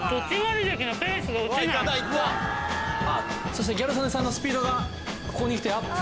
そしてギャル曽根さんのスピードがここに来てアップ。